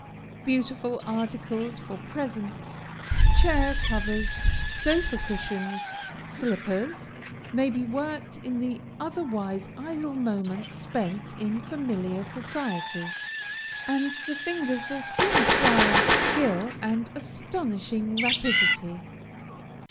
Beautiful articles for presents, chair covers, sofa cushions, slippers, may be worked in the otherwise idle moments spent in familiar society, and the fingers will soon acquire skill and astonishing rapidity.